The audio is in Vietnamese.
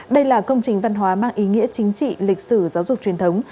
đây là công trình văn hóa mang ý nghĩa chính trị lịch sử giáo dục truyền thống